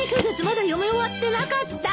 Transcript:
まだ読み終わってなかった！